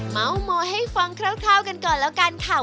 เมาส์มอยให้ฟังคร่าวกันก่อนแล้วกันค่ะ